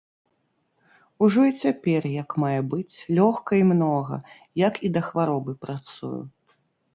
Ужо і цяпер як мае быць, лёгка і многа, як і да хваробы, працую.